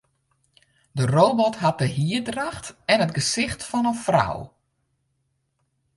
De robot hat de hierdracht en it gesicht fan in frou.